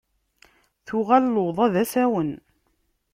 Tuɣal luḍa d asawen.